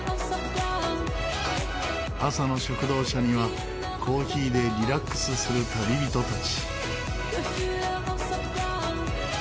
朝の食堂車にはコーヒーでリラックスする旅人たち。